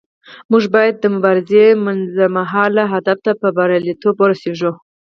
موږ باید د مبارزې منځمهاله هدف ته په بریالیتوب ورسیږو.